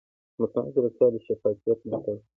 مصنوعي ځیرکتیا د شفافیت ملاتړ کوي.